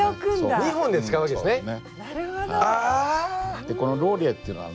２本で使うわけですね？